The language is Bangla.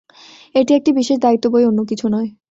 এটি একটি বিশেষ দায়িত্ব বৈ অন্য কিছু নয়।